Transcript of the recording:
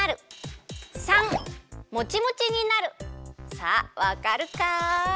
さあわかるかい？